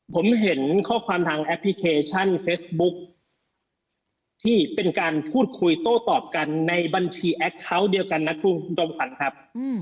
ผมเห็นข้อความทางแอปพลิเคชันเฟซบุ๊กที่เป็นการพูดคุยโต้ตอบกันในบัญชีแอคเคาน์เดียวกันนะคุณจอมขวัญครับ